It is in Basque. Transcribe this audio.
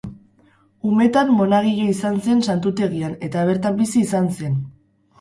Umetan monagilo izan zen santutegian eta bertan bizi izan zen.